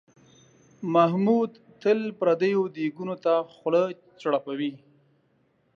محمود تل پردیو دیګونو ته خوله چړپوي.